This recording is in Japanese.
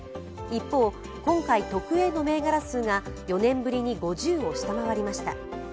一方、今回特Ａの銘柄数が４年ぶりに５０を下回りました。